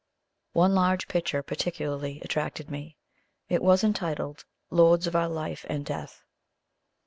One large picture particularly attracted me. It was entitled "Lords of our Life and Death."